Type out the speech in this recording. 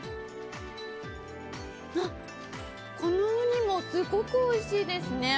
このウニもすごくおいしいですね。